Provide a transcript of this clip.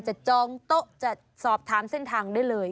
จองโต๊ะจะสอบถามเส้นทางได้เลย